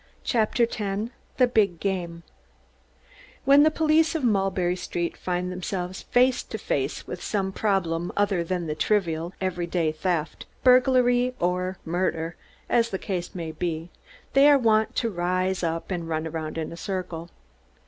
CHAPTER X THE BIG GAME When the police of Mulberry Street find themselves face to face with some problem other than the trivial, every day theft, burglary or murder, as the case may be, they are wont to rise up and run around in a circle.